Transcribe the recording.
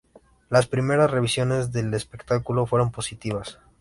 Las primeras revisiones del espectáculo fueron positivas.